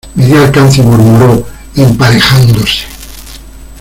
me dió alcance y murmuró emparejándose: